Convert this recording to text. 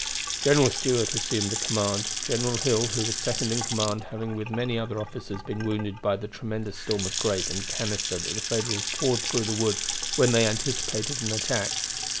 General Stuart assumed the command, General Hill, who was second in command, having, with many other officers, been wounded by the tremendous storm of grape and canister that the Federals poured through the wood when they anticipated an attack.